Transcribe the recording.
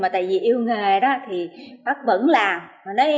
tại vì yêu nghề đó thì bác vẫn làm